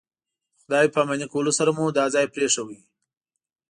د خدای پاماني کولو سره مو دا ځای پرېښود.